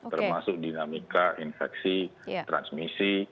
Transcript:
termasuk dinamika infeksi transmisi